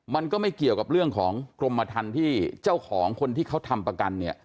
มันก็ไม่เกี่ยวกับเรื่องของกรมทันที่เจ้าของคนที่เขาทำประกันเนี่ย